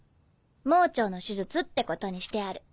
盲腸の手術ってことにしてある。